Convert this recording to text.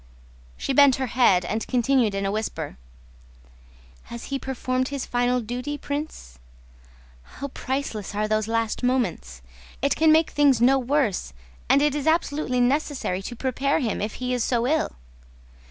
She bent her head and continued in a whisper: "Has he performed his final duty, Prince? How priceless are those last moments! It can make things no worse, and it is absolutely necessary to prepare him if he is so ill.